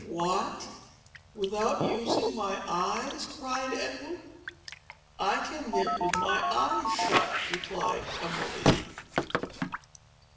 "What! without using my eyes?" cried Edward. "I can knit with my eyes shut," replied Emily.